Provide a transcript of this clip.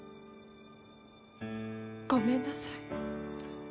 ごめんなさい。